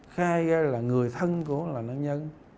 khai ra là người thân của nạn nhân